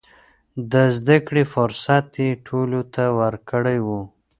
د زده کړې فرصت يې ټولو ته ورکړی و.